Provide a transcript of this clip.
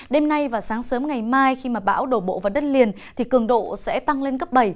đêm nay và sáng sớm ngày mai khi bão đổ bộ vào đất liền thì cường độ sẽ tăng lên cấp bảy